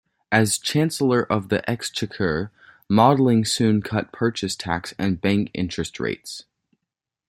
As Chancellor of the Exchequer, Maudling soon cut purchase tax and bank interest rates.